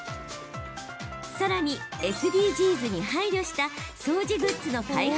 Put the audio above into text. さらにＳＤＧｓに配慮した掃除グッズの開発